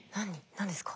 何ですか？